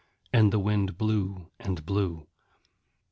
And the wind blew and blew.